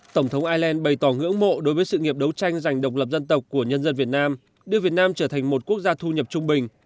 tổng thống ireland bày tỏ ngưỡng mộ đối với sự nghiệp đấu tranh dành độc lập dân tộc của nhân dân việt nam đưa việt nam trở thành một quốc gia thu nhập trung bình